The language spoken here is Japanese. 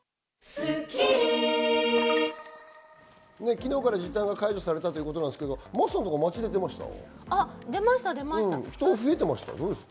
昨日から時短が解除されたということですが、真麻さんは街に出ましたか？